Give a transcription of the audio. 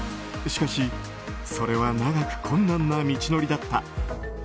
しかし、それは長く困難な道のりだった。